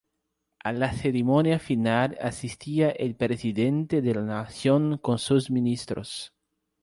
A la ceremonia final asistía el Presidente de la Nación con sus ministros.